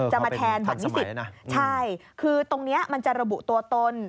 มาแทนบัตรนิสิตใช่คือตรงนี้มันจะระบุตัวตน